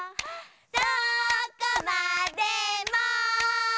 どこまでも」